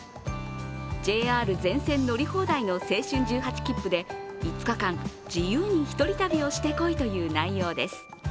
ＪＲ全線乗り放題の青春１８きっぷで５日間自由に１人旅をしてこいという内容です。